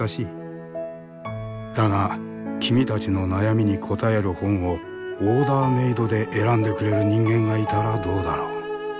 だが君たちの悩みに答える本をオーダーメードで選んでくれる人間がいたらどうだろう？